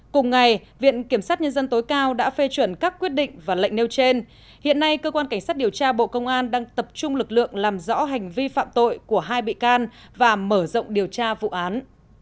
cùng ngày viện kiểm sát nhân dân tối cao đã phê chuẩn các quyết định và lệnh nêu trên hiện nay cơ quan cảnh sát điều tra bộ công an đang tập trung lực lượng làm rõ hành vi phạm tội của hai bị can và mở rộng điều tra vụ án